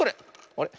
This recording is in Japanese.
あれ？